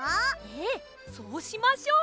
ええそうしましょう。